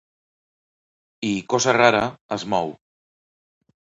I, cosa rara, es mou.